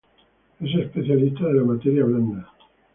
Es especialista de la materia blanda.